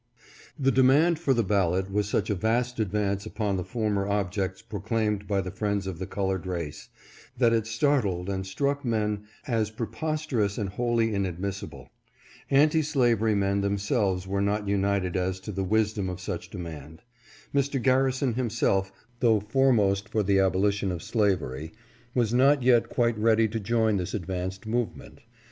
The demand for the ballot was such a vast advance upon the former objects proclaimed by the friends of the colored race, that it startled and struck men as prepos terous and wholly inadmissible. Anti slavery men them selves were not united as to the wisdom of such demand. Mr. Garrison himself, though foremost for the abolition ^l^ REASONS AGAINST THE BALLOT FOR FREEDMEN. 463 of slavery, was not yet quite ready to join this advanced movement.